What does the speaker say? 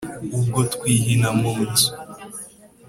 Ubwo twihina mu nzu